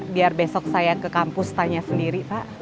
biar besok saya ke kampus tanya sendiri pak